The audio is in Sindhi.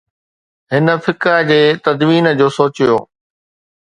هن فقه جي تدوين جو سوچيو.